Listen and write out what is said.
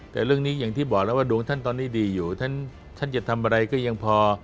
แต่เรื่องนี้อย่างที่บอกแล้วว่าดวงท่านตอนนี้ดีอยู่ท่านจะทำอะไรก็ยังพอ